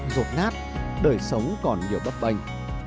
rột nát đời sống còn nhiều bấp bệnh